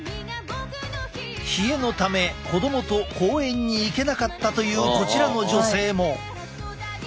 冷えのため子供と公園に行けなかったというこちらの女性も。